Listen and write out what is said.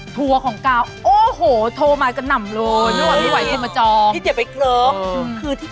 ทัวร์ของกาวโอ้โหโทรมากระหน่ำเลย